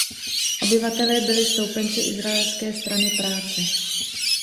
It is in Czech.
Obyvatelé byli stoupenci Izraelské strany práce.